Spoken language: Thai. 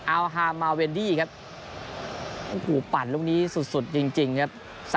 อาวฮาร์มาเวรดี้ครับโอ้โหปั่นลูกนี้สุดเจ็บสบายจริงครับ